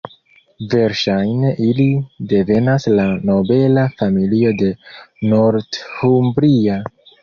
Verŝajne ili devenas de nobela familio de Northumbria.